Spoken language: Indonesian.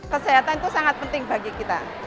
kesehatan itu sangat penting bagi kita